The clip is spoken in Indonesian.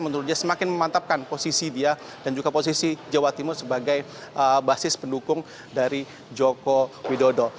menurut dia semakin memantapkan posisi dia dan juga posisi jawa timur sebagai basis pendukung dari joko widodo